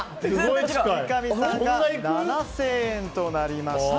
三上さんが７０００円となりました。